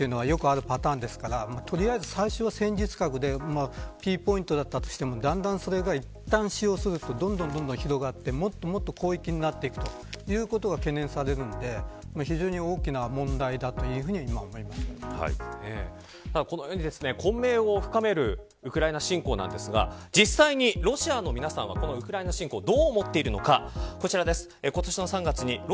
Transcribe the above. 追い込まれると、いろいろと攻撃に出るということはよくあるパターンですから取りあえず最初は戦術核でピンポイントだとしてもだんだんそれがいったん使用するとどんどん広がって広域になっていくということは懸念されますので非常に大きな問題だこのように混迷を深めるウクライナ侵攻ですが実際にロシアの皆さんはウクライナ侵攻をどう思っているのか、こちらです。